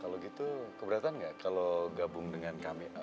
kalau gitu keberatan nggak kalau gabung dengan kami